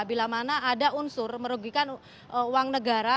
bila mana ada unsur merugikan uang negara